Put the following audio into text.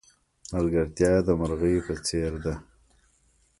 ملگرتیا د مرغی په څېر ده.